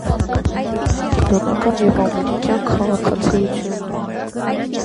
Ունի մակեդոնիական և ամերիկյան քաղաքացիություն։